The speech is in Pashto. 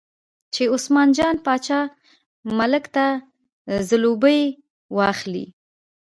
چې عثمان جان باچا ملک ته ځلوبۍ واخلي.